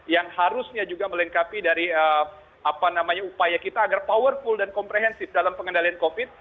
yang harusnya juga melengkapi dari upaya kita agar powerful dan komprehensif dalam pengendalian covid